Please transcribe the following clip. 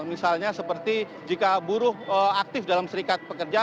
misalnya seperti jika buruh aktif dalam serikat pekerja